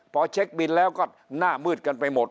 พอเช็คบินแล้วก็หน้ามืดกันไปหมด